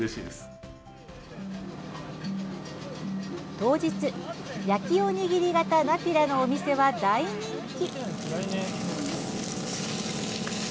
当日焼きおにぎり型ナピラのお店は大人気！